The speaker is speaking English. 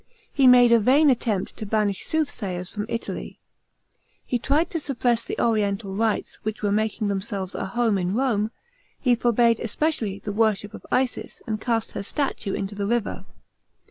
He made a vain attempt to banish soothsayers from Italy. He tried to suppress the Oriental rites, which were making themselves a home in Rome ; he forbade especially the worship of 194 THE PBINCIPATE OF TIBERIUS. CHAP. xm. isis, and cast her statue into the river.